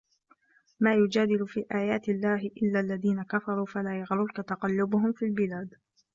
ما يُجادِلُ في آياتِ اللَّهِ إِلَّا الَّذينَ كَفَروا فَلا يَغرُركَ تَقَلُّبُهُم فِي البِلادِ